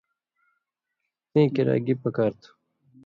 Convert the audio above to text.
تِئیں کِراں گی پکار تُھو؟